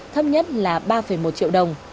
thấp nhất là ba một triệu đồng